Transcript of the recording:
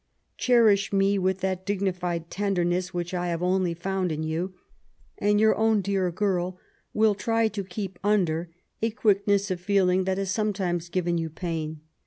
Oherish me with that dignified tenderness which I have only found in you, and your own dear girl will try to keep under a quickness of feeling that has sometimes given you pain.